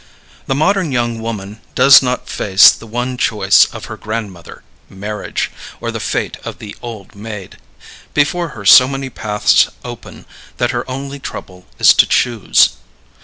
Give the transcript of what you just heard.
The modern young woman does not face the one choice of her grandmother marriage or the fate of the "old maid." Before her so many paths open that her only trouble is to choose.